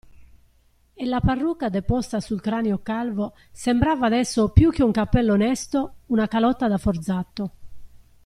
E la parrucca deposta sul cranio calvo sembrava adesso, più che un cappello onesto, una calotta da forzato.